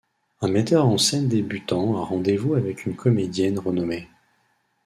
Un metteur en scène débutant a rendez-vous avec une comédienne renommée.